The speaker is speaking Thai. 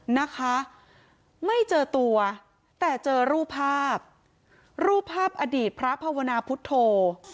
นะคะไม่เจอตัวแต่เจอรูปภาพรูปภาพอดีตพระภาวนาพุทธโธ